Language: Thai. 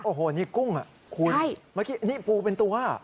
โอ้โหนี่กุ้งคุณนี่ปูเป็นตัว